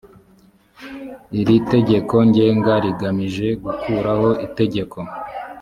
iri tegeko ngenga rigamije gukuraho itegeko